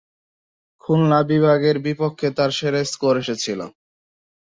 খুলনা বিভাগের বিপক্ষে তার সেরা স্কোর এসেছিল।